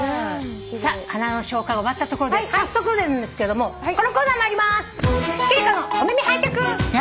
さあ花の紹介が終わったところで早速なんですけれどもこのコーナー参ります。